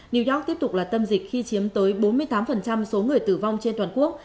new york tiếp tục là tâm dịch khi chiếm tới bốn mươi tám số người tử vong trên toàn quốc